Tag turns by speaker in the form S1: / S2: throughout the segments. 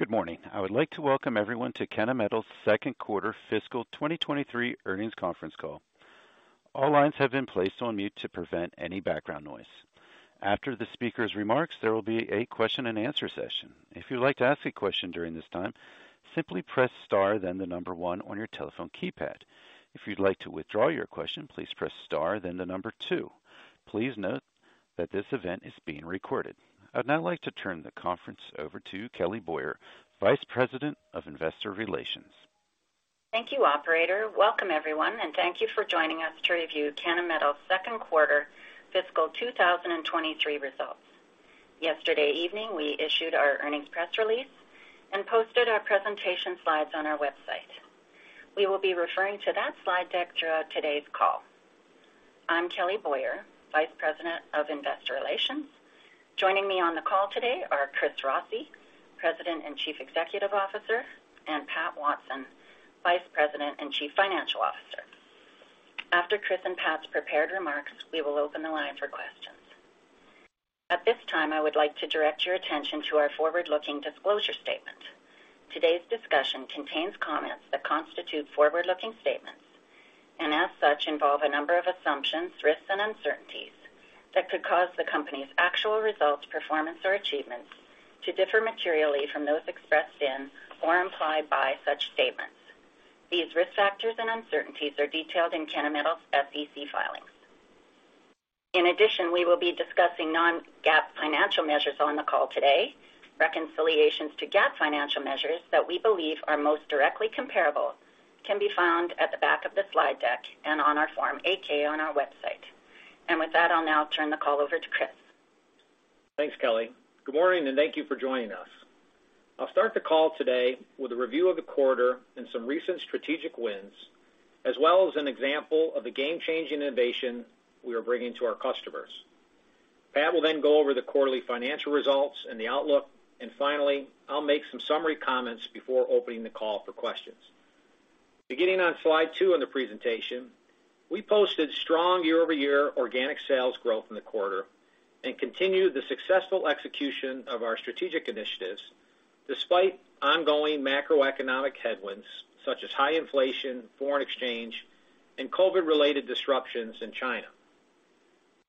S1: Good morning. I would like to welcome everyone to Kennametal's second quarter fiscal 2023 earnings conference call. All lines have been placed on mute to prevent any background noise. After the speaker's remarks, there will be a question-and-answer session. If you'd like to ask a question during this time, simply press star, then the 1 on your telephone keypad. If you'd like to withdraw your question, please press star then the 2. Please note that this event is being recorded. I'd now like to turn the conference over to Kelly Boyer, Vice President of Investor Relations.
S2: Thank you, operator. Welcome, everyone, and thank you for joining us to review Kennametal's second quarter fiscal 2023 results. Yesterday evening, we issued our earnings press release and posted our presentation slides on our website. We will be referring to that slide deck throughout today's call. I'm Kelly Boyer, Vice President of Investor Relations. Joining me on the call today are Christopher Rossi, President and Chief Executive Officer, and Patrick Watson, Vice President and Chief Financial Officer. After Chris and Pat's prepared remarks, we will open the line for questions. At this time, I would like to direct your attention to our forward-looking disclosure statement. Today's discussion contains comments that constitute forward-looking statements and as such, involve a number of assumptions, risks and uncertainties that could cause the company's actual results, performance or achievements to differ materially from those expressed in or implied by such statements. These risk factors and uncertainties are detailed in Kennametal's SEC filings. In addition, we will be discussing non-GAAP financial measures on the call today. Reconciliations to GAAP financial measures that we believe are most directly comparable can be found at the back of the slide deck and on our Form 8-K on our website. With that, I'll now turn the call over to Chris.
S3: Thanks, Kelly. Good morning, thank you for joining us. I'll start the call today with a review of the quarter and some recent strategic wins, as well as an example of the game-changing innovation we are bringing to our customers. Pat will go over the quarterly financial results and the outlook. Finally, I'll make some summary comments before opening the call for questions. Beginning on slide 2 in the presentation, we posted strong year-over-year organic sales growth in the quarter and continued the successful execution of our strategic initiatives despite ongoing macroeconomic headwinds such as high inflation, foreign exchange, and COVID-related disruptions in China.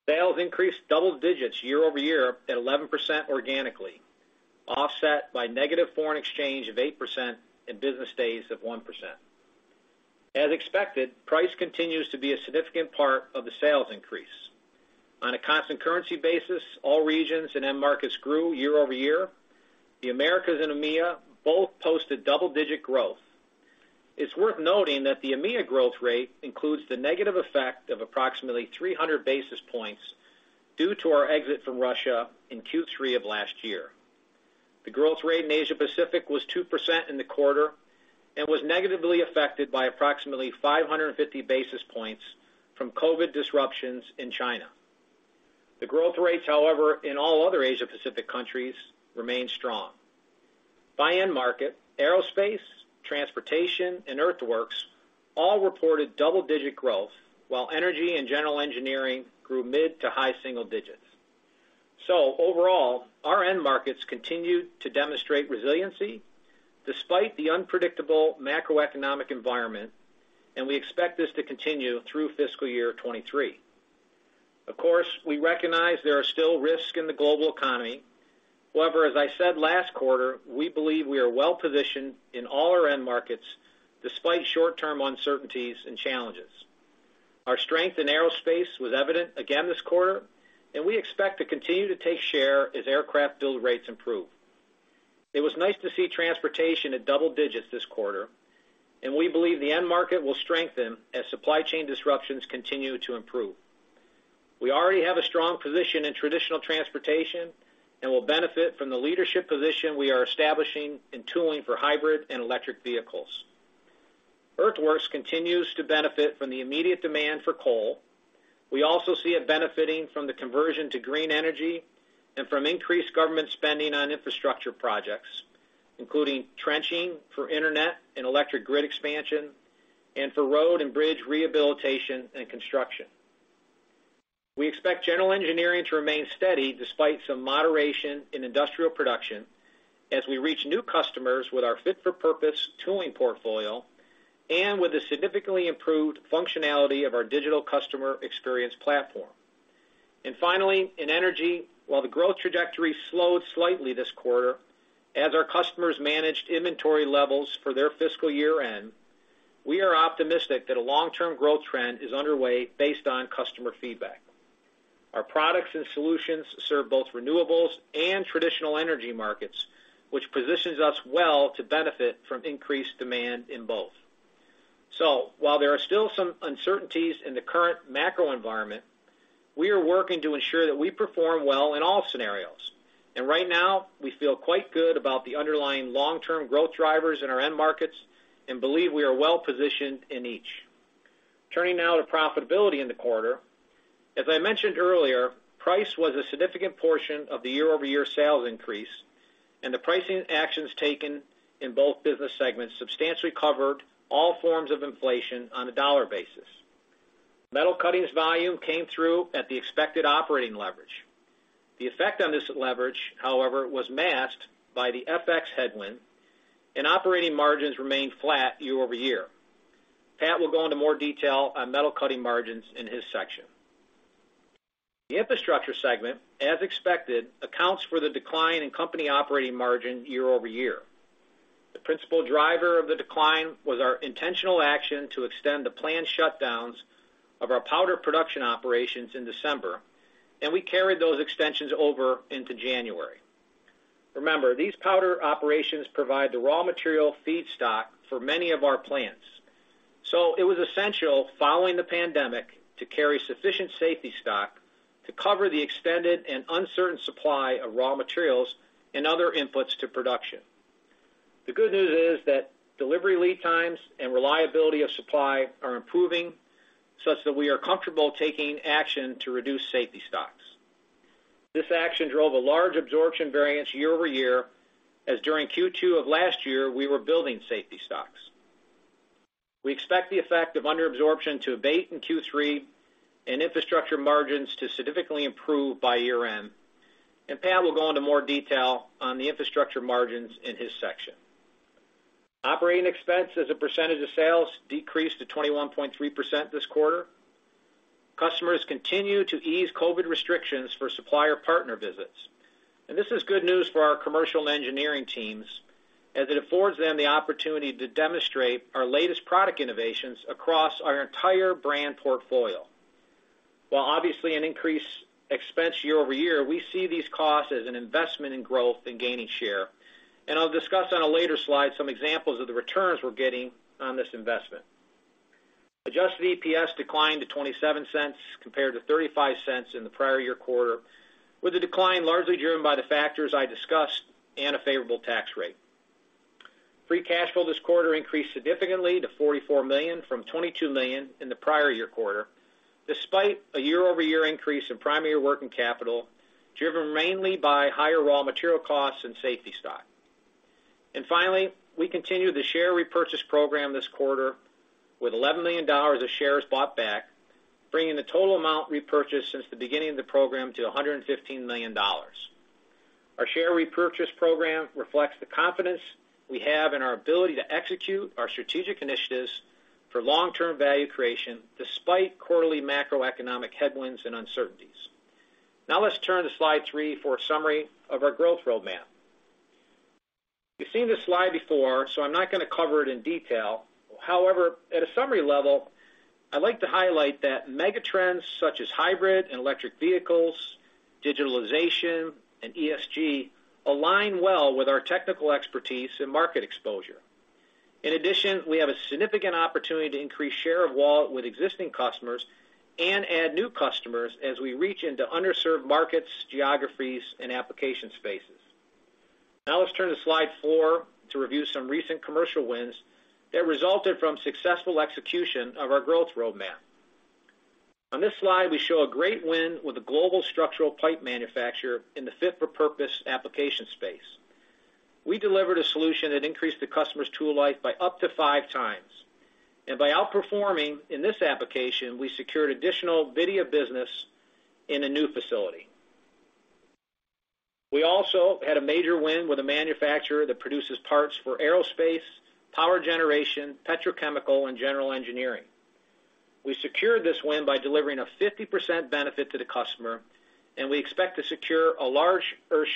S3: Sales increased double digits year-over-year at 11% organically, offset by negative foreign exchange of 8% and business days of 1%. As expected, price continues to be a significant part of the sales increase. On a constant currency basis, all regions and end markets grew year-over-year. The Americas and EMEA both posted double-digit growth. It's worth noting that the EMEA growth rate includes the negative effect of approximately 300 basis points due to our exit from Russia in Q3 of last year. The growth rate in Asia Pacific was 2% in the quarter and was negatively affected by approximately 550 basis points from COVID disruptions in China. The growth rates, however, in all other Asia Pacific countries remained strong. By end market, aerospace, transportation, and earthworks all reported double-digit growth, while energy and General Engineering grew mid to high single digits. Overall, our end markets continued to demonstrate resiliency despite the unpredictable macroeconomic environment, and we expect this to continue through fiscal year '23. Of course, we recognize there are still risks in the global economy. However, as I said last quarter, we believe we are well-positioned in all our end markets despite short-term uncertainties and challenges. Our strength in aerospace was evident again this quarter, and we expect to continue to take share as aircraft build rates improve. It was nice to see transportation at double digits this quarter, and we believe the end market will strengthen as supply chain disruptions continue to improve. We already have a strong position in traditional transportation and will benefit from the leadership position we are establishing in tooling for hybrid and electric vehicles. Earthworks continues to benefit from the immediate demand for coal. We also see it benefiting from the conversion to green energy and from increased government spending on infrastructure projects, including trenching for internet and electric grid expansion and for road and bridge rehabilitation and construction. We expect General Engineering to remain steady despite some moderation in industrial production as we reach new customers with our fit-for-purpose tooling portfolio and with the significantly improved functionality of our digital customer experience platform. Finally, in energy, while the growth trajectory slowed slightly this quarter as our customers managed inventory levels for their fiscal year-end, we are optimistic that a long-term growth trend is underway based on customer feedback. Our products and solutions serve both renewables and traditional energy markets, which positions us well to benefit from increased demand in both. While there are still some uncertainties in the current macro environment, we are working to ensure that we perform well in all scenarios. Right now, we feel quite good about the underlying long-term growth drivers in our end markets and believe we are well-positioned in each. Turning now to profitability in the quarter. As I mentioned earlier, price was a significant portion of the year-over-year sales increase. The pricing actions taken in both business segments substantially covered all forms of inflation on a dollar basis. Metal Cutting volume came through at the expected operating leverage. The effect on this leverage, however, was masked by the FX headwind and operating margins remained flat year-over-year. Pat will go into more detail on Metal Cutting margins in his section. The Infrastructure segment, as expected, accounts for the decline in company operating margin year-over-year. The principal driver of the decline was our intentional action to extend the planned shutdowns of our powder production operations in December, and we carried those extensions over into January. Remember, these powder operations provide the raw material feedstock for many of our plants. It was essential, following the pandemic, to carry sufficient safety stock to cover the extended and uncertain supply of raw materials and other inputs to production. The good news is that delivery lead times and reliability of supply are improving, such that we are comfortable taking action to reduce safety stocks. This action drove a large absorption variance year-over-year, as during Q2 of last year, we were building safety stocks. We expect the effect of under absorption to abate in Q3 and Infrastructure margins to significantly improve by year-end, and Pat will go into more detail on the Infrastructure margins in his section. Operating expense as a percentage of sales decreased to 21.3% this quarter. Customers continue to ease COVID restrictions for supplier partner visits, this is good news for our commercial engineering teams as it affords them the opportunity to demonstrate our latest product innovations across our entire brand portfolio. While obviously an increased expense year-over-year, we see these costs as an investment in growth and gaining share. I'll discuss on a later slide some examples of the returns we're getting on this investment. Adjusted EPS declined to $0.27 compared to $0.35 in the prior year quarter, with the decline largely driven by the factors I discussed and a favorable tax rate. Free cash flow this quarter increased significantly to $44 million from $22 million in the prior year quarter. Despite a year-over-year increase in primary working capital, driven mainly by higher raw material costs and safety stock. Finally, we continued the share repurchase program this quarter with $11 million of shares bought back, bringing the total amount repurchased since the beginning of the program to $115 million. Our share repurchase program reflects the confidence we have in our ability to execute our strategic initiatives for long-term value creation despite quarterly macroeconomic headwinds and uncertainties. Let's turn to slide three for a summary of our growth roadmap. You've seen this slide before, so I'm not gonna cover it in detail. At a summary level, I'd like to highlight that megatrends such as hybrid and electric vehicles, digitalization, and ESG align well with our technical expertise and market exposure. We have a significant opportunity to increase share of wallet with existing customers and add new customers as we reach into underserved markets, geographies, and application spaces. Now let's turn to slide four to review some recent commercial wins that resulted from successful execution of our growth roadmap. On this slide, we show a great win with a global structural pipe manufacturer in the fit-for-purpose application space. We delivered a solution that increased the customer's tool life by up to five times. By outperforming in this application, we secured additional EV business in a new facility. We also had a major win with a manufacturer that produces parts for aerospace, power generation, petrochemical, and General Engineering. We secured this win by delivering a 50% benefit to the customer. We expect to secure a larger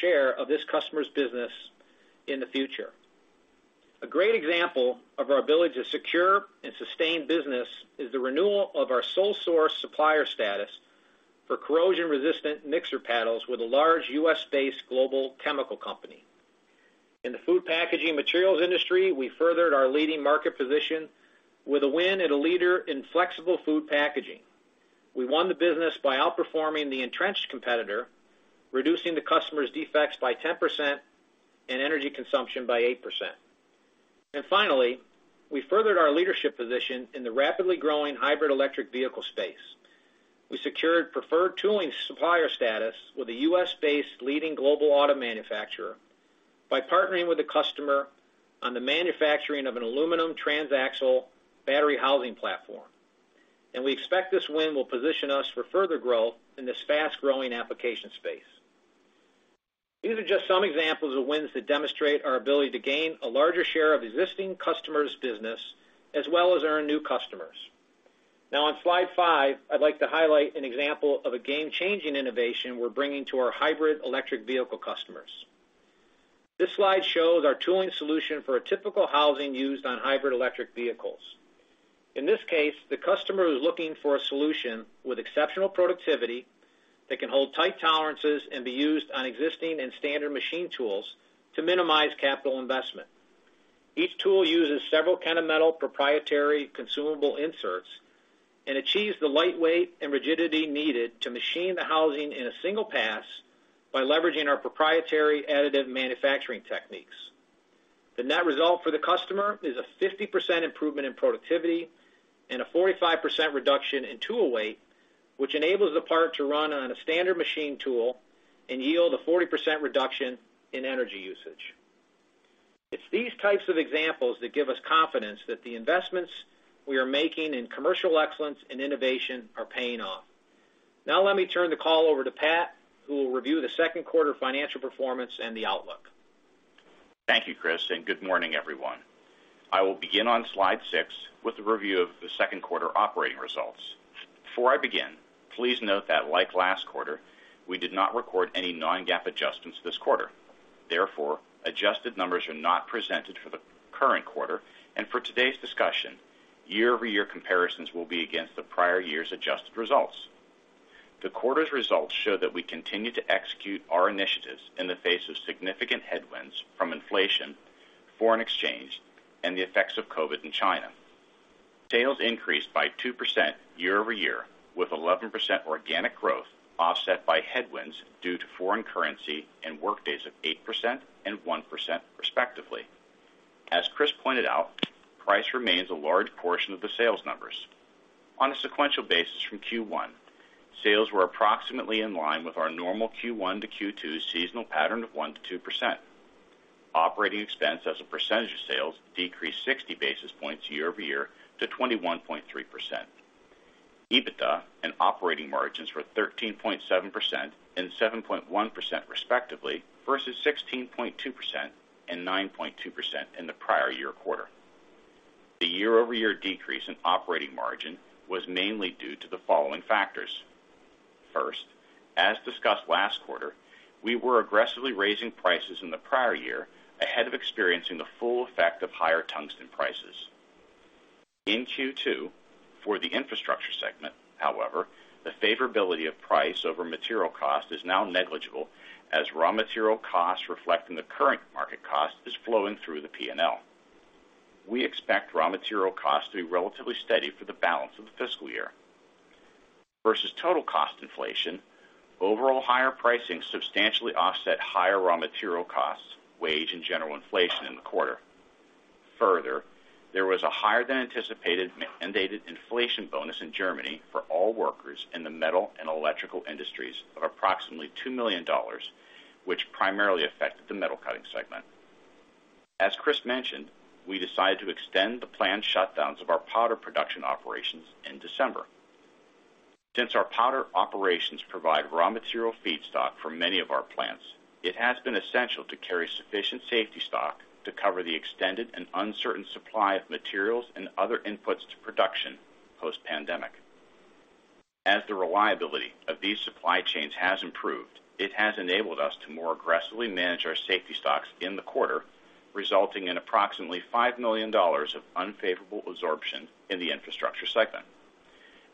S3: share of this customer's business in the future. A great example of our ability to secure and sustain business is the renewal of our sole source supplier status for corrosion-resistant mixer paddles with a large U.S.-based global chemical company. In the food packaging materials industry, we furthered our leading market position with a win and a leader in flexible food packaging. We won the business by outperforming the entrenched competitor, reducing the customer's defects by 10% and energy consumption by 8%. Finally, we furthered our leadership position in the rapidly growing hybrid Electric Vehicle space. We secured preferred tooling supplier status with a U.S.-based leading global auto manufacturer by partnering with the customer on the manufacturing of an aluminum transaxle battery housing platform. We expect this win will position us for further growth in this fast-growing application space. These are just some examples of wins that demonstrate our ability to gain a larger share of existing customers' business as well as earn new customers. On slide 5, I'd like to highlight an example of a game-changing innovation we're bringing to our hybrid electric vehicle customers. This slide shows our tooling solution for a typical housing used on hybrid electric vehicles. In this case, the customer is looking for a solution with exceptional productivity that can hold tight tolerances and be used on existing and standard machine tools to minimize capital investment. Each tool uses several Kennametal proprietary consumable inserts and achieves the lightweight and rigidity needed to machine the housing in a single pass by leveraging our proprietary additive manufacturing techniques. The net result for the customer is a 50% improvement in productivity and a 45% reduction in tool weight, which enables the part to run on a standard machine tool and yield a 40% reduction in energy usage. It's these types of examples that give us confidence that the investments we are making in commercial excellence and innovation are paying off. Let me turn the call over to Pat, who will review the second quarter financial performance and the outlook.
S4: Thank you, Chris. Good morning, everyone. I will begin on slide 6 with the review of the second quarter operating results. Before I begin, please note that, like last quarter, we did not record any non-GAAP adjustments this quarter. Therefore, adjusted numbers are not presented for the current quarter, and for today's discussion, year-over-year comparisons will be against the prior year's adjusted results. The quarter's results show that we continue to execute our initiatives in the face of significant headwinds from inflation, foreign exchange, and the effects of COVID in China. Sales increased by 2% year-over-year, with 11% organic growth offset by headwinds due to foreign currency and work days of 8% and 1% respectively. As Chris pointed out, price remains a large portion of the sales numbers. On a sequential basis from Q1, sales were approximately in line with our normal Q1 to Q2 seasonal pattern of 1%-2%. Operating expense as a percentage of sales decreased 60 basis points year-over-year to 21.3%. EBITDA and operating margins were 13.7% and 7.1% respectively versus 16.2% and 9.2% in the prior year quarter. The year-over-year decrease in operating margin was mainly due to the following factors. First, as discussed last quarter, we were aggressively raising prices in the prior year ahead of experiencing the full effect of higher tungsten prices. In Q2, for the Infrastructure segment, however, the favorability of price over material cost is now negligible as raw material costs reflecting the current market cost is flowing through the P&L. We expect raw material costs to be relatively steady for the balance of the fiscal year. Versus total cost inflation, overall higher pricing substantially offset higher raw material costs, wage and general inflation in the quarter. Further, there was a higher than anticipated mandated inflation bonus in Germany for all workers in the metal and electrical industries of approximately $2 million, which primarily affected the Metal Cutting segment. As Chris mentioned, we decided to extend the planned shutdowns of our powder production operations in December. Since our powder operations provide raw material feedstock for many of our plants, it has been essential to carry sufficient safety stock to cover the extended and uncertain supply of materials and other inputs to production post-pandemic. As the reliability of these supply chains has improved, it has enabled us to more aggressively manage our safety stocks in the quarter, resulting in approximately $5 million of unfavorable absorption in the Infrastructure segment.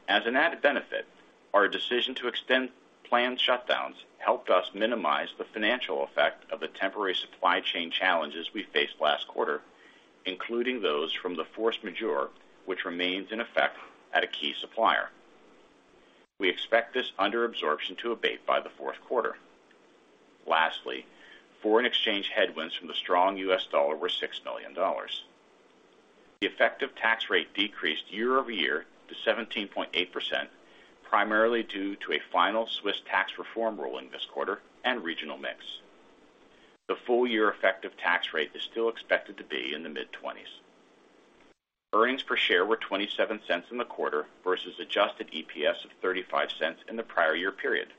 S4: As an added benefit, our decision to extend planned shutdowns helped us minimize the financial effect of the temporary supply chain challenges we faced last quarter, including those from the force majeure, which remains in effect at a key supplier. We expect this under absorption to abate by the fourth quarter. Lastly, foreign exchange headwinds from the strong US dollar were $6 million. The effective tax rate decreased year-over-year to 17.8%, primarily due to a final Swiss tax reform ruling this quarter and regional mix. The full year effective tax rate is still expected to be in the mid-20s. Earnings per share were $0.27 in the quarter versus adjusted EPS of $0.35 in the prior year period.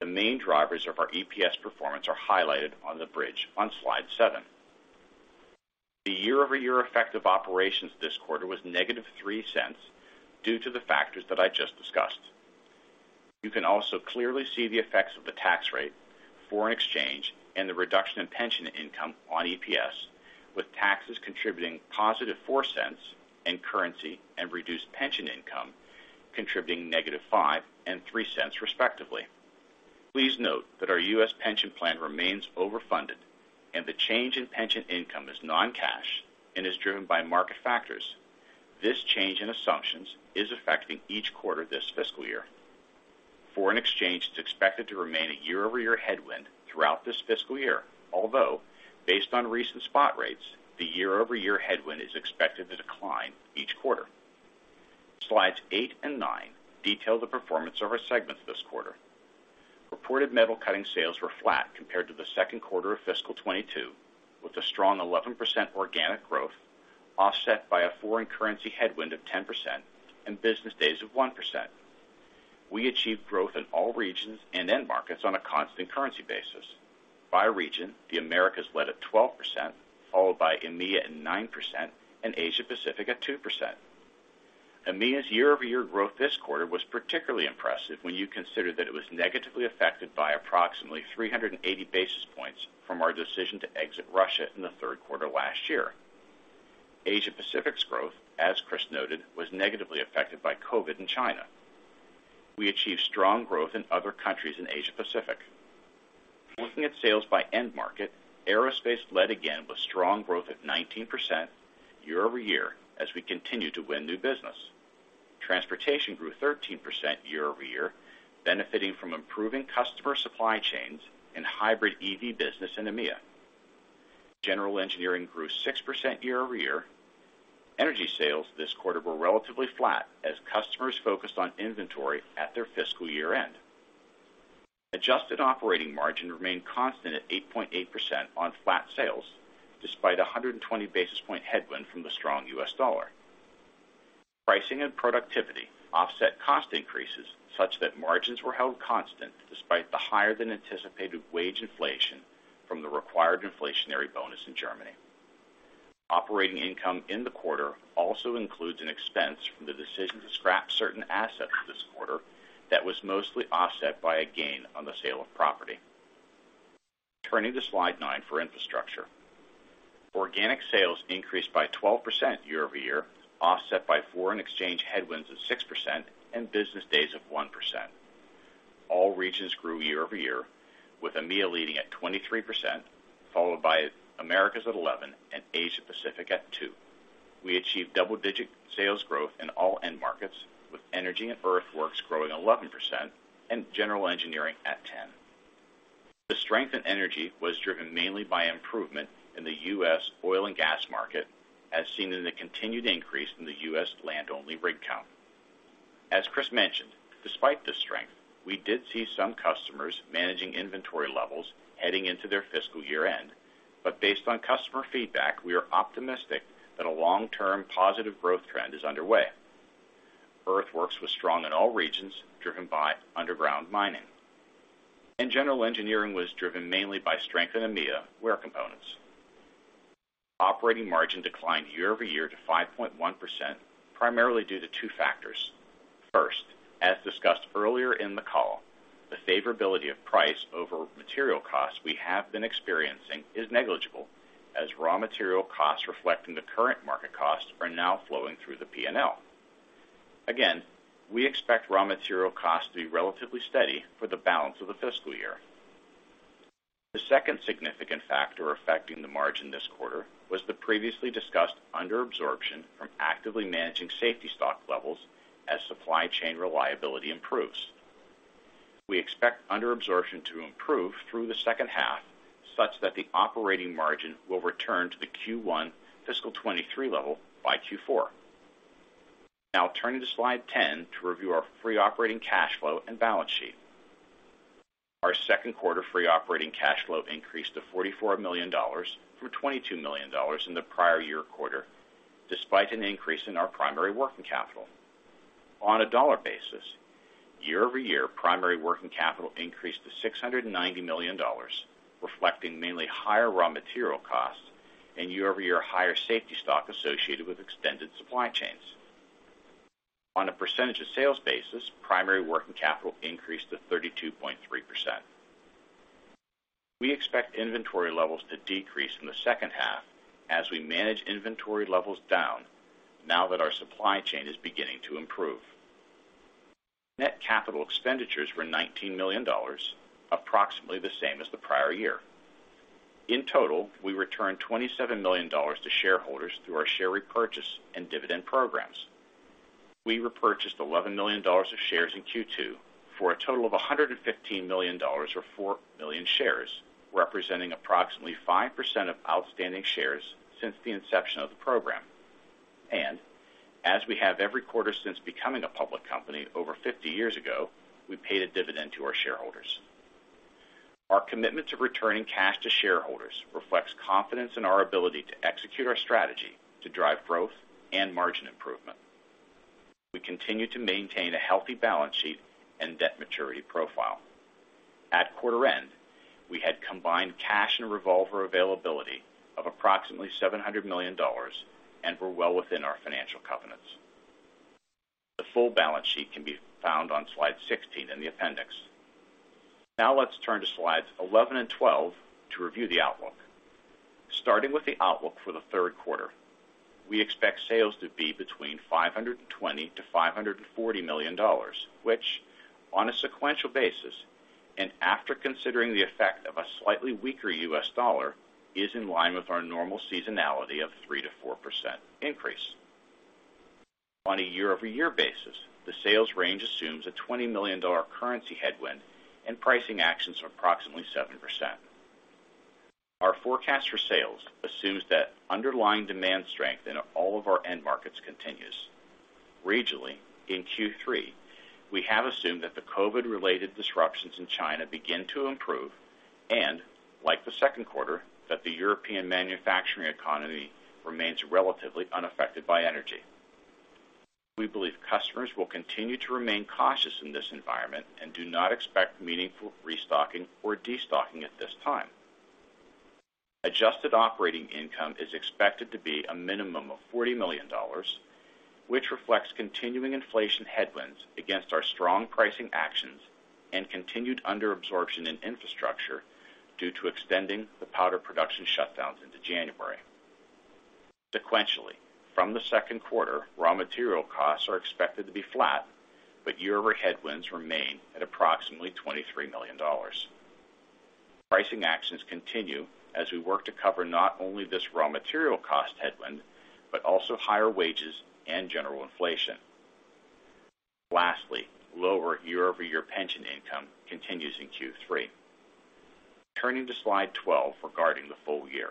S4: The main drivers of our EPS performance are highlighted on the bridge on slide 7. The year-over-year effect of operations this quarter was -$0.03 due to the factors that I just discussed. You can also clearly see the effects of the tax rate, foreign exchange, and the reduction in pension income on EPS, with taxes contributing +$0.04 and currency and reduced pension income contributing -$0.05 and -$0.03 respectively. Please note that our U.S. pension plan remains overfunded and the change in pension income is non-cash and is driven by market factors. This change in assumptions is affecting each quarter this fiscal year. Foreign exchange is expected to remain a year-over-year headwind throughout this fiscal year, although based on recent spot rates, the year-over-year headwind is expected to decline each quarter. Slides 8 and 9 detail the performance of our segments this quarter. Reported Metal Cutting sales were flat compared to the second quarter of fiscal 22, with a strong 11% organic growth offset by a foreign currency headwind of 10% and business days of 1%. We achieved growth in all regions and end markets on a constant currency basis. By region, the Americas led at 12%, followed by EMEA at 9% and Asia-Pacific at 2%. EMEA's year-over-year growth this quarter was particularly impressive when you consider that it was negatively affected by approximately 380 basis points from our decision to exit Russia in the third quarter last year. Asia-Pacific's growth, as Chris noted, was negatively affected by COVID in China. We achieved strong growth in other countries in Asia-Pacific. Looking at sales by end market, aerospace led again with strong growth of 19% year-over-year as we continue to win new business. Transportation grew 13% year-over-year, benefiting from improving customer supply chains and hybrid EV business in EMEA. General Engineering grew 6% year-over-year. Energy sales this quarter were relatively flat as customers focused on inventory at their fiscal year-end. Adjusted operating margin remained constant at 8.8% on flat sales, despite 120 basis point headwind from the strong U.S. dollar. Pricing and productivity offset cost increases such that margins were held constant despite the higher than anticipated wage inflation from the required inflationary bonus in Germany. Operating income in the quarter also includes an expense from the decision to scrap certain assets this quarter that was mostly offset by a gain on the sale of property. Turning to slide 9 for Infrastructure. Organic sales increased by 12% year-over-year, offset by foreign exchange headwinds of 6% and business days of 1%. All regions grew year-over-year, with EMEA leading at 23%, followed by Americas at 11, and Asia Pacific at 2. We achieved double-digit sales growth in all end markets, with energy and earthworks growing 11% and General Engineering at 10. The strength in energy was driven mainly by improvement in the U.S. oil and gas market, as seen in the continued increase in the U.S. land-only rig count. As Chris mentioned, despite this strength, we did see some customers managing inventory levels heading into their fiscal year-end, but based on customer feedback, we are optimistic that a long-term positive growth trend is underway. Earthworks was strong in all regions, driven by underground mining. General Engineering was driven mainly by strength in EMEA wear components. Operating margin declined year-over-year to 5.1%, primarily due to two factors. First, as discussed earlier in the call, the favorability of price over material costs we have been experiencing is negligible, as raw material costs reflecting the current market costs are now flowing through the P&L. Again, we expect raw material costs to be relatively steady for the balance of the fiscal year. The second significant factor affecting the margin this quarter was the previously discussed underabsorption from actively managing safety stock levels as supply chain reliability improves. We expect underabsorption to improve through the H2, such that the operating margin will return to the Q1 fiscal 2023 level by Q4. Turning to slide 10 to review our free operating cash flow and balance sheet. Our second quarter free operating cash flow increased to $44 million from $22 million in the prior year quarter, despite an increase in our primary working capital. On a dollar basis, year-over-year primary working capital increased to $690 million, reflecting mainly higher raw material costs and year-over-year higher safety stock associated with extended supply chains. On a percentage of sales basis, primary working capital increased to 32.3%. We expect inventory levels to decrease in the H2 as we manage inventory levels down now that our supply chain is beginning to improve. Net capital expenditures were $19 million, approximately the same as the prior year. In total, we returned $27 million to shareholders through our share repurchase and dividend programs. We repurchased $11 million of shares in Q2 for a total of $115 million or 4 million shares, representing approximately 5% of outstanding shares since the inception of the program. As we have every quarter since becoming a public company over 50 years ago, we paid a dividend to our shareholders. Our commitment to returning cash to shareholders reflects confidence in our ability to execute our strategy to drive growth and margin improvement. We continue to maintain a healthy balance sheet and debt maturity profile. At quarter end, we had combined cash and revolver availability of approximately $700 million and were well within our financial covenants. The full balance sheet can be found on slide 16 in the appendix. Now let's turn to slides 11 and 12 to review the outlook. Starting with the outlook for the 3rd quarter, we expect sales to be between $520 million-$540 million, which on a sequential basis and after considering the effect of a slightly weaker U.S. dollar, is in line with our normal seasonality of 3%-4% increase. On a year-over-year basis, the sales range assumes a $20 million currency headwind and pricing actions of approximately 7%. Our forecast for sales assumes that underlying demand strength in all of our end markets continues. Regionally, in Q3, we have assumed that the COVID-related disruptions in China begin to improve and, like the 2nd quarter, that the European manufacturing economy remains relatively unaffected by energy. We believe customers will continue to remain cautious in this environment and do not expect meaningful restocking or destocking at this time. Adjusted operating income is expected to be a minimum of $40 million, which reflects continuing inflation headwinds against our strong pricing actions and continued underabsorption in Infrastructure due to extending the powder production shutdowns into January. Sequentially, from the second quarter, raw material costs are expected to be flat, but year-over-year headwinds remain at approximately $23 million. Pricing actions continue as we work to cover not only this raw material cost headwind, but also higher wages and general inflation. Lastly, lower year-over-year pension income continues in Q3. Turning to Slide 12 regarding the full year.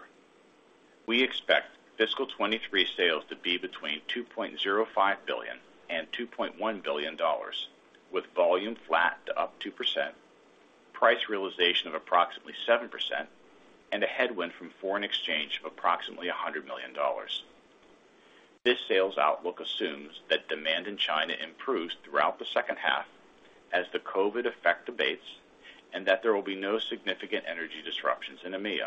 S4: We expect fiscal 2023 sales to be between $2.05 billion and $2.1 billion, with volume flat to up 2%, price realization of approximately 7%, and a headwind from foreign exchange of approximately $100 million. This sales outlook assumes that demand in China improves throughout the H2 as the COVID effect abates, that there will be no significant energy disruptions in EMEA.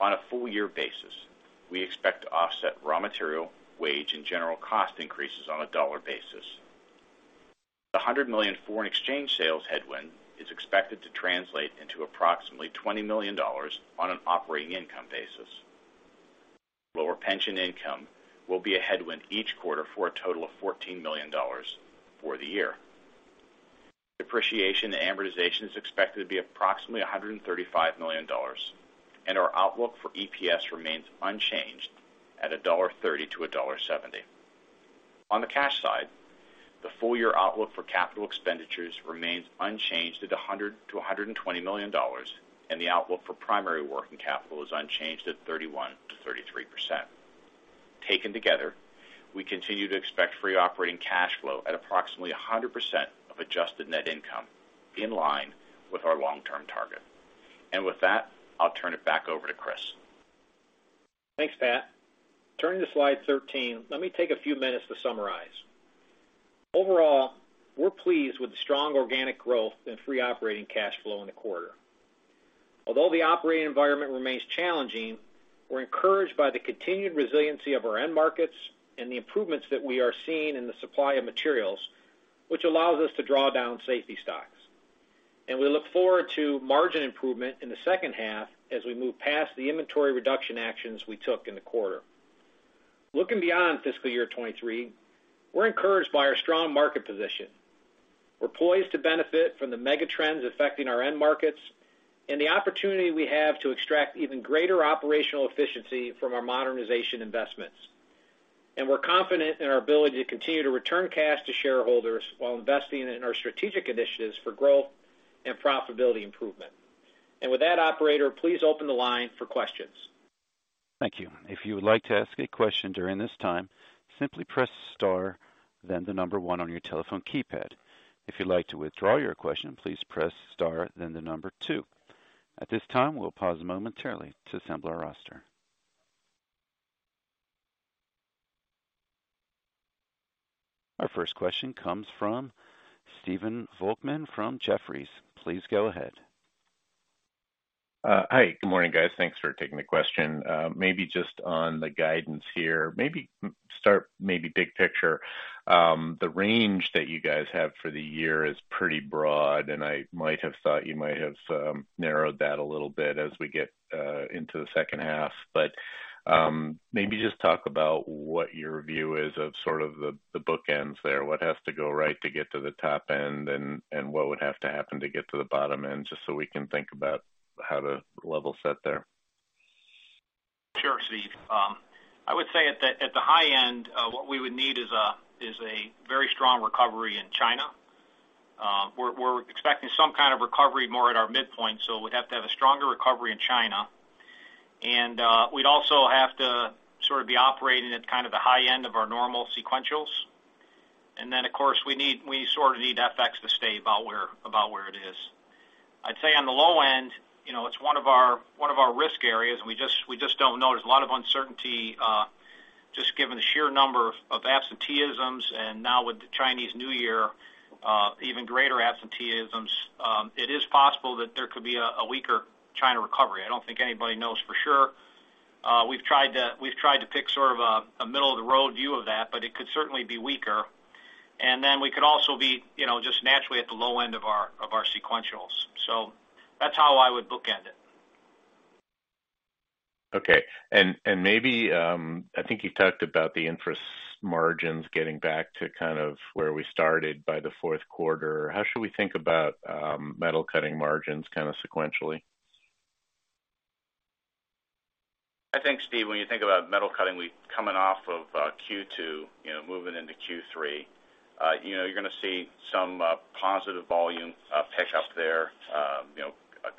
S4: On a full year basis, we expect to offset raw material, wage, and general cost increases on a dollar basis. The $100 million foreign exchange sales headwind is expected to translate into approximately $20 million on an operating income basis. Lower pension income will be a headwind each quarter for a total of $14 million for the year. Depreciation and amortization is expected to be approximately $135 million. Our outlook for EPS remains unchanged at $1.30-$1.70. On the cash side, the full year outlook for capital expenditures remains unchanged at $100 million-$120 million. The outlook for primary working capital is unchanged at 31%-33%. Taken together, we continue to expect free operating cash flow at approximately 100% of adjusted net income in line with our long-term target. With that, I'll turn it back over to Chris.
S3: Thanks, Pat. Turning to slide 13, let me take a few minutes to summarize. Overall, we're pleased with the strong organic growth and free operating cash flow in the quarter. Although the operating environment remains challenging, we're encouraged by the continued resiliency of our end markets and the improvements that we are seeing in the supply of materials, which allows us to draw down safety stocks. We look forward to margin improvement in the H2 as we move past the inventory reduction actions we took in the quarter. Looking beyond fiscal year 2023, we're encouraged by our strong market position. We're poised to benefit from the mega trends affecting our end markets and the opportunity we have to extract even greater operational efficiency from our modernization investments. We're confident in our ability to continue to return cash to shareholders while investing in our strategic initiatives for growth and profitability improvement. With that, operator, please open the line for questions.
S1: Thank you. If you would like to ask a question during this time, simply press star, then the number 1 on your telephone keypad. If you'd like to withdraw your question, please press star, then the number 2. At this time, we'll pause momentarily to assemble our roster. Our first question comes from Stephen Volkmann from Jefferies. Please go ahead.
S5: Hi, good morning, guys. Thanks for taking the question. Maybe just on the guidance here, maybe big picture. The range that you guys have for the year is pretty broad, and I might have thought you might have narrowed that a little bit as we get into the H2. Maybe just talk about what your view is of sort of the bookends there. What has to go right to get to the top end and what would have to happen to get to the bottom end, just so we can think about how to level set there.
S3: Sure, Steve. I would say at the high end, what we would need is a very strong recovery in China. We're expecting some kind of recovery more at our midpoint, so we'd have to have a stronger recovery in China. We'd also have to sort of be operating at kind of the high end of our normal sequentials. Of course, we sort of need FX to stay about where it is. I'd say on the low end it's one of our risk areas, and we don't know. There's a lot of uncertainty, just given the sheer number of absenteeisms, and now with the Chinese New Year, even greater absenteeisms, it is possible that there could be a weaker China recovery. I don't think anybody knows for sure. We've tried to pick sort of a middle-of-the-road view of that, but it could certainly be weaker. We could also be just naturally at the low end of our, of our sequentials. That's how I would bookend it.
S5: Okay. Maybe, I think you've talked about the Infras margins getting back to kind of where we started by the fourth quarter. How should we think about, Metal Cutting margins kind of sequentially?
S4: I think, Steve, when you think about Metal Cutting, coming off of q2 moving into q3 you're gonna see some positive volume pick up there.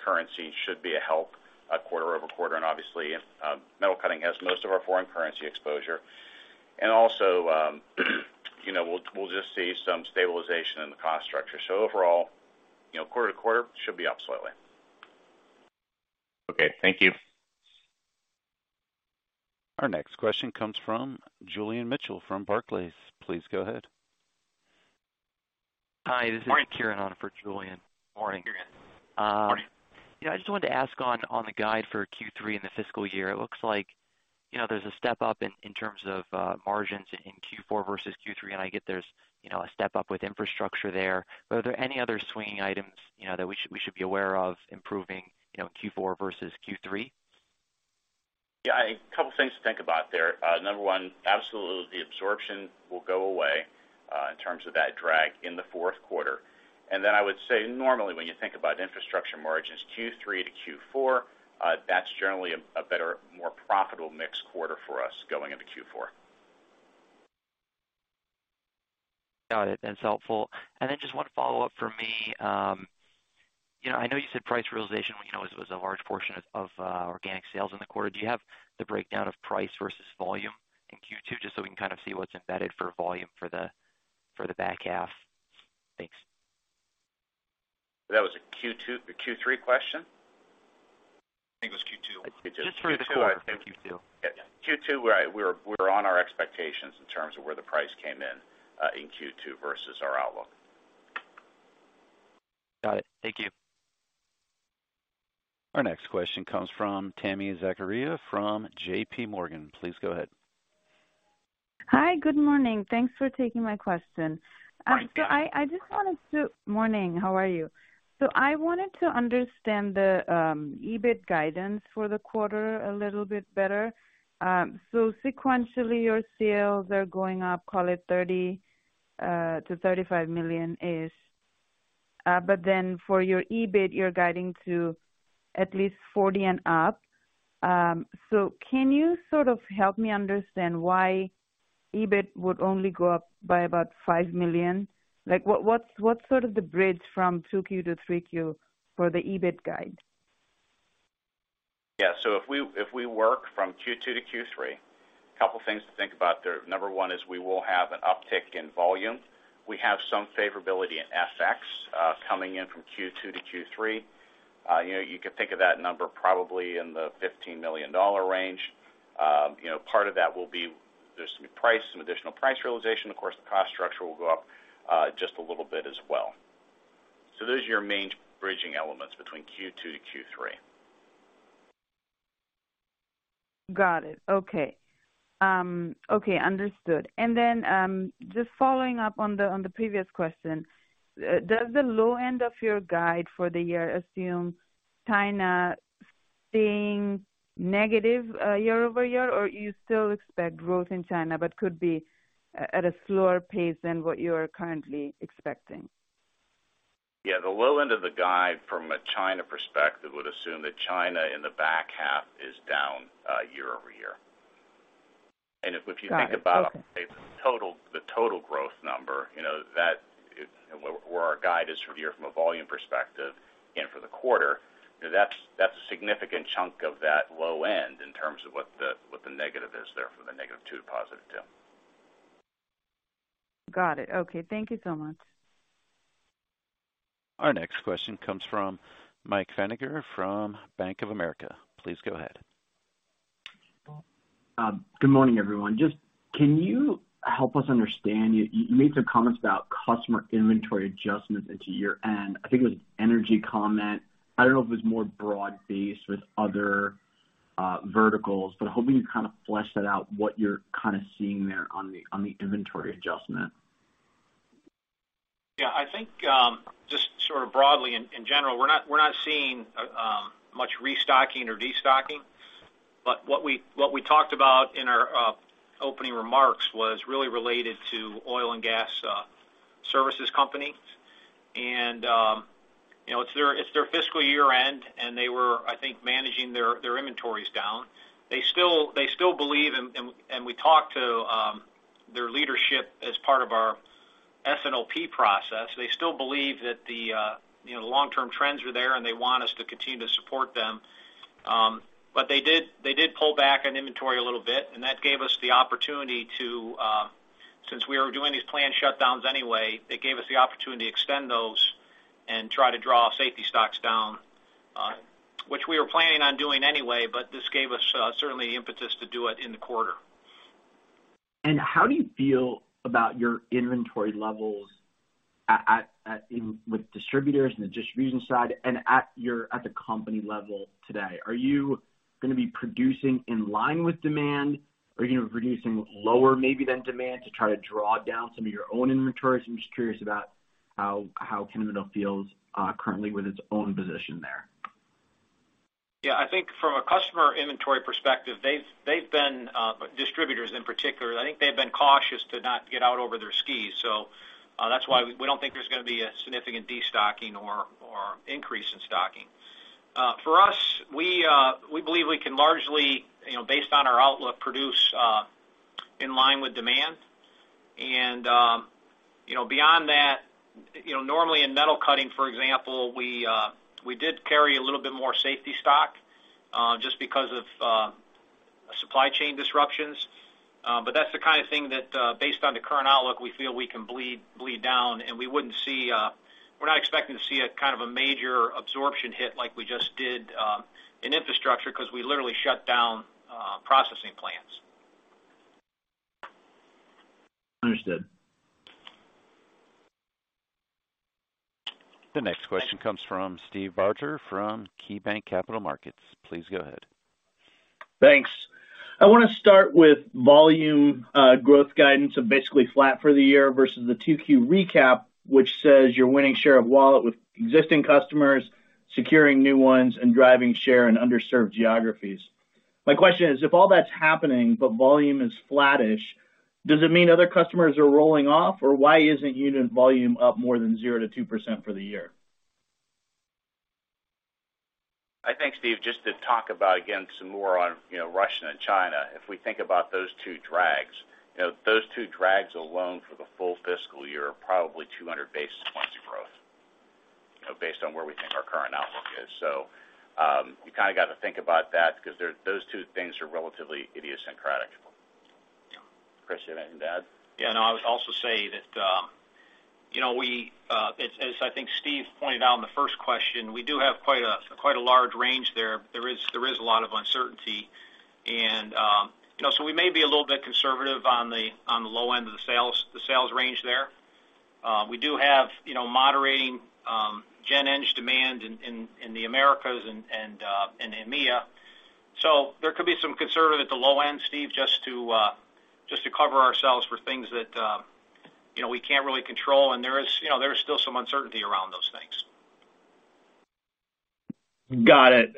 S4: Currency should be a help quarter-over-quarter, and obviously, Metal Cutting has most of our foreign currency exposure. also we'll just see some stabilization in the cost structure. overall quarter-to-quarter should be up slightly.
S5: Okay. Thank you.
S1: Our next question comes from Julian Mitchell from Barclays. Please go ahead.
S6: Hi, this is Kieran on for Julian.
S3: Morning.
S6: Morning.
S3: Kieran. Morning. I just wanted to ask on the guide for Q3 and the fiscal year. It looks like there's a step up in terms of margins in Q4 versus Q3, and I get there's a step up with Infrastructure there. Are there any other swinging items that we should be aware of improving Q4 versus Q3?
S4: Yeah. A couple things to think about there. number one, absolutely, the absorption will go away, in terms of that drag in the fourth quarter. I would say, normally, when you think about Infrastructure margins, Q3 to Q4, that's generally a better, more profitable mix quarter for us going into Q4.
S7: Got it. That's helpful. Then just one follow-up for me., I know you said price realization was a large portion of organic sales in the quarter. Do you have the breakdown of price versus volume in Q2, just so we can kind of see what's embedded for volume for the, for the back half? Thanks.
S3: That was a Q3 question?
S8: I think it was Q2.
S7: Just for the quarter. Q2.
S3: Q2, we're on our expectations in terms of where the price came in Q2 versus our outlook.
S7: Got it. Thank you.
S1: Our next question comes from Tami Zakaria from JP Morgan. Please go ahead.
S8: Hi, good morning. Thanks for taking my question.
S3: Morning.
S8: I just wanted to... Morning, how are you? I wanted to understand the EBIT guidance for the quarter a little bit better. Sequentially, your sales are going up, call it $30 million-$35 million-ish. For your EBIT, you're guiding to at least $40 million and up. Can you sort of help me understand why EBIT would only go up by about $5 million? Like, what's sort of the bridge from 2Q to 3Q for the EBIT guide?
S3: Yeah. If we, if we work from Q2 to Q3, couple things to think about there. Number one is we will have an uptick in volume. We have some favorability in FX coming in from Q2 to Q3. You could think of that number probably in the $15 million range. Part of that will be just price, some additional price realization. Of course, the cost structure will go up just a little bit as well. Those are your main bridging elements between Q2 to Q3.
S8: Got it. Okay. Understood. Just following up on the previous question, does the low end of your guide for the year assume China staying negative year-over-year? Or you still expect growth in China, but could be at a slower pace than what you are currently expecting?
S3: The low end of the guide from a China perspective would assume that China in the back half is down, year-over-year.
S8: Got it. Okay.
S3: If you think about the total growth number that is where our guide is for the year from a volume perspective and for the quarter that's a significant chunk of that low end in terms of what the negative is there for the -2% to +2%.
S8: Got it. Okay. Thank you so much.
S1: Our next question comes from Michael Feniger from Bank of America. Please go ahead.
S9: Good morning, everyone. Just can you help us understand, you made some comments about customer inventory adjustments into year end? I think it was an energy comment. I don't know if it was more broad-based with other verticals, but hoping you kind of flesh that out, what you're kind of seeing there on the inventory adjustment?
S3: Yeah. I think, just sort of broadly, in general, we're not seeing much restocking or destocking. What we talked about in our opening remarks was really related to oil and gas services companies. It's their fiscal year end, and they were, I think, managing their inventories down. They still believe and we talked to their leadership as part of our S&OP process. They still believe that the the long-term trends are there, and they want us to continue to support them. They did pull back on inventory a little bit, and that gave us the opportunity to, since we were doing these planned shutdowns anyway, it gave us the opportunity to extend those and try to draw safety stocks down, which we were planning on doing anyway, but this gave us, certainly the impetus to do it in the quarter.
S9: How do you feel about your inventory levels at with distributors, in the distribution side and at your, at the company level today? Are you gonna be producing in line with demand? Are you producing lower maybe than demand to try to draw down some of your own inventories? I'm just curious about how Kennametal feels currently with its own position there.
S3: Yeah. I think from a customer inventory perspective, they've been distributors in particular. I think they've been cautious to not get out over their skis. That's why we don't think there's gonna be a significant destocking or increase in stocking. For us, we believe we can largely based on our outlook, produce in line with demand. Beyond that normally in Metal Cutting, for example, we did carry a little bit more safety stock just because of supply chain disruptions. That's the kind of thing that, based on the current outlook, we feel we can bleed down, and we wouldn't see, we're not expecting to see a kind of a major absorption hit like we just did, in Infrastructure because we literally shut down, processing plants.
S9: Understood.
S1: The next question comes from Steve Barger from KeyBanc Capital Markets. Please go ahead.
S7: Thanks. I wanna start with volume growth guidance of basically flat for the year versus the 2Q recap, which says you're winning share of wallet with existing customers, securing new ones, and driving share in underserved geographies. My question is, if all that's happening but volume is flattish, does it mean other customers are rolling off, or why isn't unit volume up more than 0%-2% for the year?
S4: I think, Steve, just to talk about, again, some more on Russia and China. If we think about those two drags those two drags alone for the full fiscal year are probably 200 basis points of growth based on where we think our current outlook is. You kind of got to think about that because those two things are relatively idiosyncratic. Chris, anything to add?
S3: No, I would also say that we, as I think Steve pointed out in the first question, we do have quite a large range there. There is a lot of uncertainty and we may be a little bit conservative on the low end of the sales range there. We do have moderating General Engineering demand in the Americas and EMEA. There could be some conservative at the low end, Steve, just to cover ourselves for things that we can't really control. There is still some uncertainty around those things.
S7: Got it.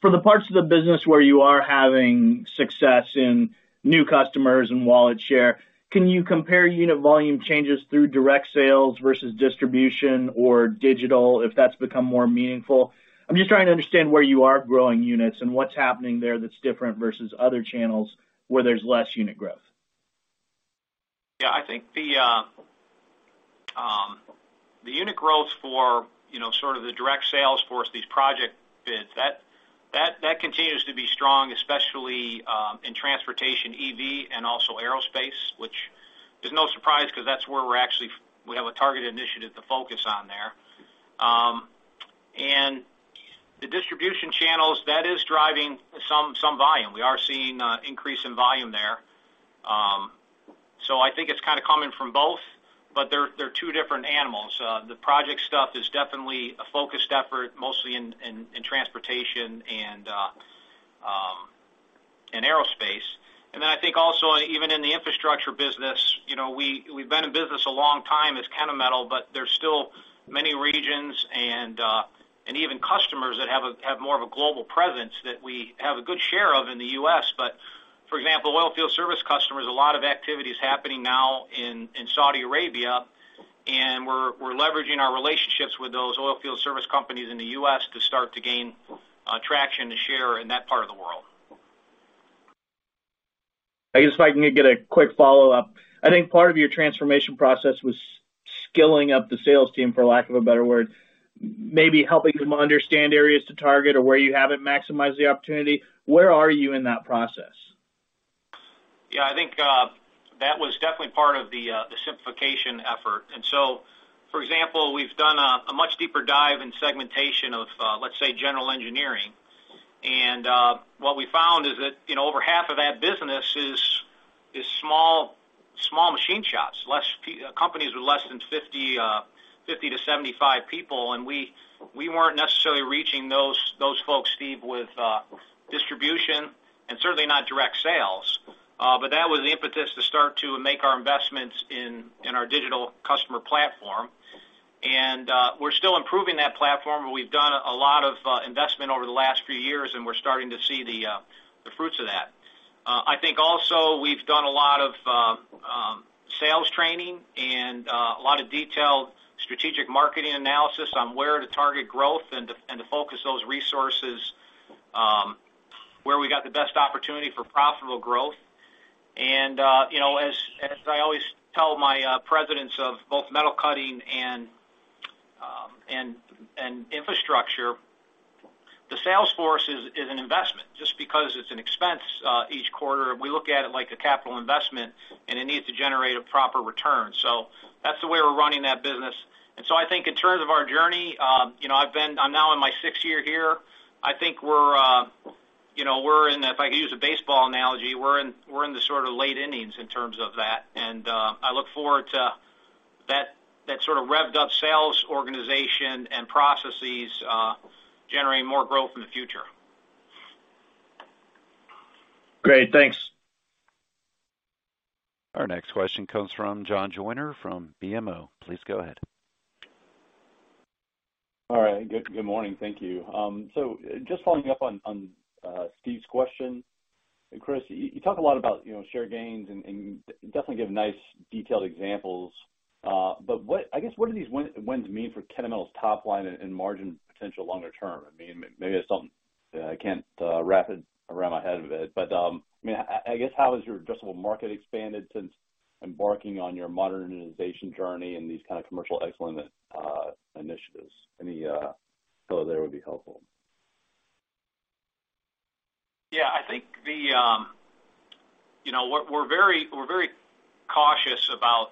S7: For the parts of the business where you are having success in new customers and wallet share, can you compare unit volume changes through direct sales versus distribution or digital, if that's become more meaningful? I'm just trying to understand where you are growing units and what's happening there that's different versus other channels where there's less unit growth.
S3: Yeah. I think the unit growth for sort of the direct sales force, these project bids, that continues to be strong, especially in transportation, EV, and also aerospace, which is no surprise 'cause that's where we actually we have a targeted initiative to focus on there. And the distribution channels, that is driving some volume. We are seeing increase in volume there. I think it's kind of coming from both, but they're two different animals. The project stuff is definitely a focused effort, mostly in transportation and aerospace. I think also even in the Infrastructure business we've been in business a long time as Kennametal, but there's still many regions and even customers that have more of a global presence that we have a good share of in the U.S. For example, oilfield service customers, a lot of activity is happening now in Saudi Arabia, and we're leveraging our relationships with those oilfield service companies in the U.S. to start to gain traction to share in that part of the world.
S7: I guess if I can get a quick follow-up. I think part of your transformation process was skilling up the sales team, for lack of a better word, maybe helping them understand areas to target or where you haven't maximized the opportunity. Where are you in that process?
S3: I think that was definitely part of the simplification effort. For example, we've done a much deeper dive in segmentation of, let's say, General Engineering. What we found is that over half of that business is small machine shops, companies with less than 50-75 people. We weren't necessarily reaching those folks, Steve, with distribution and certainly not direct sales. That was the impetus to start to make our investments in our digital customer platform. We're still improving that platform, and we've done a lot of investment over the last few years, and we're starting to see the fruits of that. I think also we've done a lot of sales training and a lot of detailed strategic marketing analysis on where to target growth and to focus those resources where we got the best opportunity for profitable growth. As I always tell my presidents of both Metal Cutting and Infrastructure, the sales force is an investment. Just because it's an expense each quarter, we look at it like a capital investment, and it needs to generate a proper return. That's the way we're running that business. I think in terms of our journey I'm now in my sixth year here. I think we're we're in the if I could use a baseball analogy, we're in the sort of late innings in terms of that. I look forward to that sort of revved up sales organization and processes, generating more growth in the future.
S10: Great. Thanks.
S1: Our next question comes from John Joyner from BMO. Please go ahead.
S10: All right. Good morning. Thank you. Just following up on Steve's question. Chris, you talk a lot about share gains and definitely give nice detailed examples. What I guess, what do these win-wins mean for Kennametal's top line and margin potential longer term? I mean, maybe it's something I can't wrap it around my head a bit, but I mean, I guess how has your addressable market expanded since embarking on your modernization journey and these kind of commercial excellence initiatives? Any color there would be helpful.
S3: Yeah. I think the we're very cautious about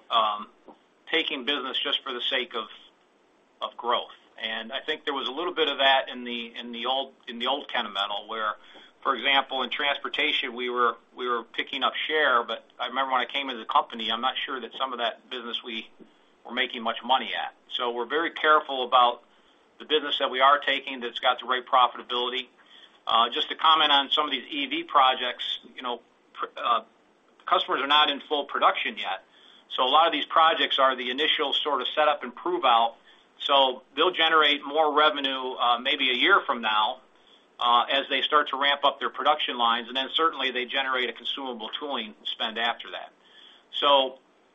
S3: taking business just for the sake of growth. I think there was a little bit of that in the old Kennametal, where, for example, in transportation, we were picking up share, but I remember when I came into the company, I'm not sure that some of that business we were making much money at. We're very careful about the business that we are taking that's got the right profitability. Just to comment on some of these EV projects customers are not in full production yet, so a lot of these projects are the initial sort of set up and prove out. They'll generate more revenue, maybe a year from now. As they start to ramp up their production lines, and then certainly they generate a consumable tooling spend after that.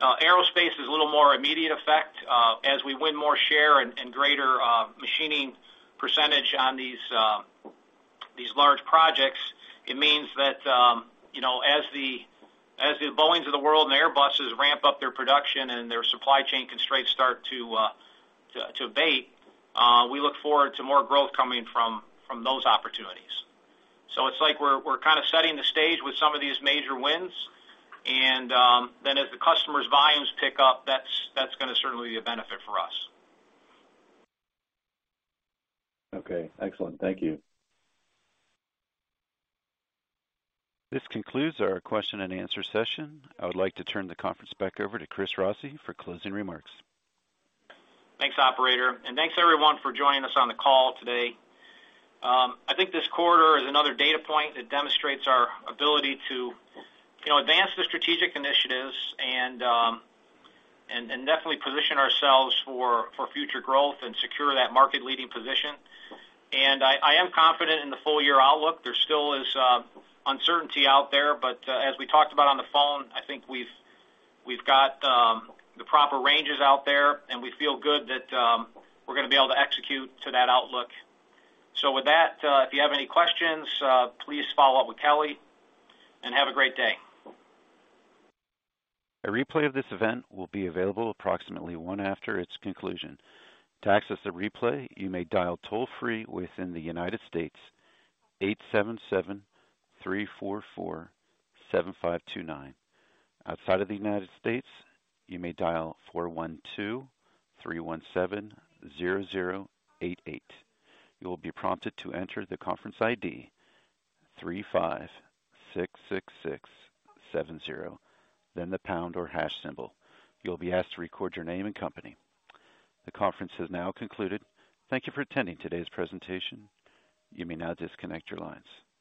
S3: Aerospace is a little more immediate effect, as we win more share and greater machining percentage on these large projects, it means that as the Boeings of the world and Airbuses ramp up their production and their supply chain constraints start to abate, we look forward to more growth coming from those opportunities. It's like we're kinda setting the stage with some of these major wins and then as the customers' volumes pick up, that's gonna certainly be a benefit for us.
S10: Okay, excellent. Thank you.
S1: This concludes our question and answer session. I would like to turn the conference back over to Christopher Rossi for closing remarks.
S3: Thanks, operator. Thanks everyone for joining us on the call today. I think this quarter is another data point that demonstrates our ability to advance the strategic initiatives and definitely position ourselves for future growth and secure that market-leading position. I am confident in the full year outlook. There still is uncertainty out there, but as we talked about on the phone, I think we've got the proper ranges out there, and we feel good that we're gonna be able to execute to that outlook. With that, if you have any questions, please follow up with Kelly and have a great day.
S1: A replay of this event will be available approximately 1 after its conclusion. To access the replay, you may dial toll-free within the United States, 877-344-7529. Outside of the United States, you may dial 412-317-0088. You will be prompted to enter the conference ID, 3566670, then the pound or hash symbol. You will be asked to record your name and company. The conference has now concluded. Thank you for attending today's presentation. You may now disconnect your lines.